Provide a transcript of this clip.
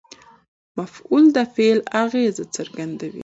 مفعول د فعل اغېز څرګندوي.